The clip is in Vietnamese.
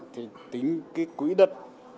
thì tính cái quỹ đất